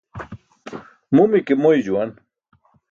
Mumi ke moy juwan.